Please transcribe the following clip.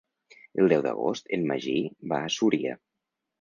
El deu d'agost en Magí va a Súria.